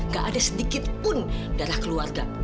tak ada sedikit pun darah keluarga